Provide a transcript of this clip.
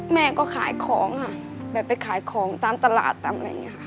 แม่ก็ขายของค่ะแบบไปขายของตามตลาดตามอะไรอย่างนี้ค่ะ